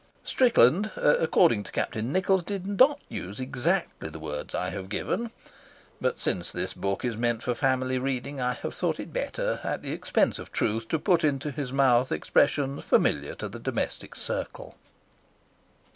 Strickland, according to Captain Nichols, did not use exactly the words I have given, but since this book is meant for family reading I have thought it better, at the expense of truth, to put into his mouth expressions familiar to the domestic circle.